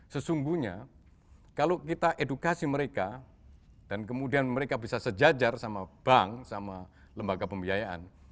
sesungguhnya kalau kita edukasi mereka dan kemudian mereka bisa sejajar sama bank sama lembaga pembiayaan